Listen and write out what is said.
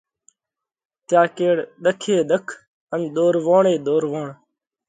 تيا ڪيڙ ۮک ئي ۮک ان ۮورووڻ ئي ۮورووڻ۔